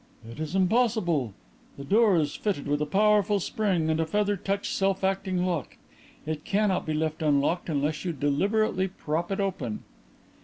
"It is impossible. The door is fitted with a powerful spring and a feather touch self acting lock. It cannot be left unlocked unless you deliberately prop it open."